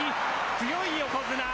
強い横綱。